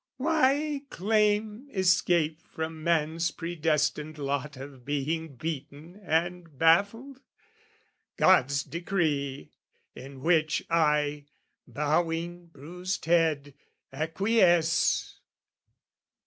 "Why claim escape from man's predestined lot "Of being beaten and baffled? God's decree, "In which I, bowing bruised head, acquiesce.